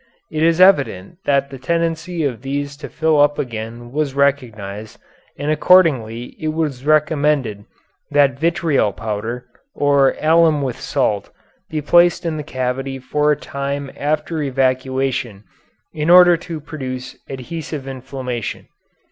It is evident that the tendency of these to fill up again was recognized, and accordingly it was recommended that vitriol powder, or alum with salt, be placed in the cavity for a time after evacuation in order to produce adhesive inflammation.